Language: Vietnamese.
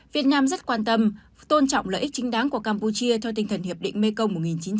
việt nam rất quan tâm tôn trọng lợi ích chính đáng của campuchia theo tinh thần hiệp định mekong một nghìn chín trăm bảy mươi năm